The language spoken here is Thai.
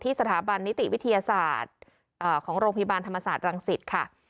สถาบันนิติวิทยาศาสตร์ของโรงพยาบาลธรรมศาสตร์รังสิตค่ะ